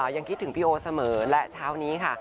ยังคิดถึงพี่โอเสมอและเช้านี้ค่ะ